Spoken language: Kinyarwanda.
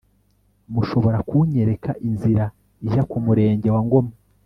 mushobora kunyereka inzira ijya ku murenge wa ngoma